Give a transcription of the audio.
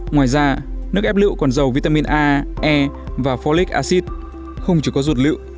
ngoài ra nước ép lựu còn giàu vitamin a e và folic acid không chỉ có ruột lựu